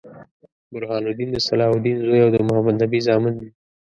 برهان الدين د صلاح الدین زوي او د محمدنبي زامن دي.